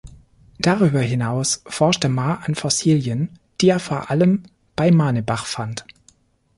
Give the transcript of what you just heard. Darüber hinaus forschte Mahr an Fossilien, die er vor allem bei Manebach fand.